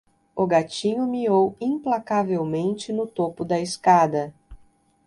O gatinho miou implacavelmente no topo da escada.